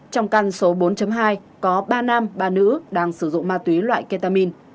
trong căn số bốn hai có ba nam ba nữ đang sử dụng ma túy loại ketamin